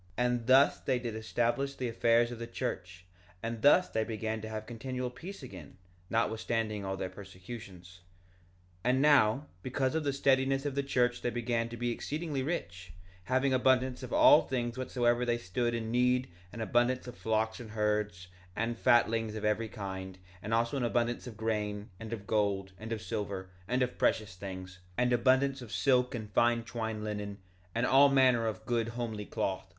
1:28 And thus they did establish the affairs of the church; and thus they began to have continual peace again, notwithstanding all their persecutions. 1:29 And now, because of the steadiness of the church they began to be exceedingly rich, having abundance of all things whatsoever they stood in need—an abundance of flocks and herds, and fatlings of every kind, and also abundance of grain, and of gold, and of silver, and of precious things, and abundance of silk and fine twined linen, and all manner of good homely cloth.